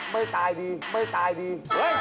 ไม่ตายดีไม่ตายดี